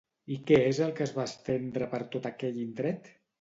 I què és el que es va estendre per tot aquell indret?